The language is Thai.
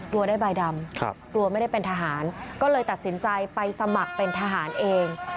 กลัวได้ใบดำกลัวไม่ได้เป็นทหารก็เลยตัดสินใจไปสมัครเป็นทหารเอง